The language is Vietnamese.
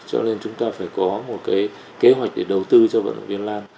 cho nên chúng ta phải có một cái kế hoạch để đầu tư cho vận động viên lan